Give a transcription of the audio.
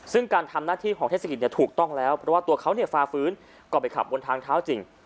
ซึ่งการทำหน้าที่ของเทศกิจเนี่ยถูกต้องแล้วเพราะว่าตัวเขาฝ่าฟื้นก็ไปขับบนทางเท้าจริง